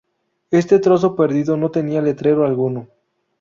Este trozo perdido no tenía letrero alguno.